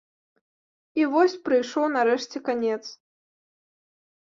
І вось прыйшоў нарэшце канец.